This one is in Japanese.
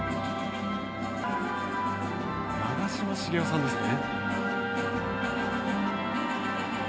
長嶋茂雄さんですね。